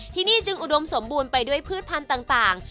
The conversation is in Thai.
ที่นี่จึงอุดมสมบูรณ์ไปด้วยพืชพันธุ์ต่าง